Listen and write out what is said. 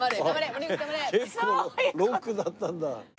結構ロックだったんだ。